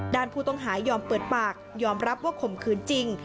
ด้านผู้ต้องหายอมเปิดปากยอมรับว่าข่มขืนจริง